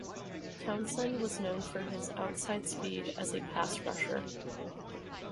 Townsend was known for his outside speed as a pass rusher.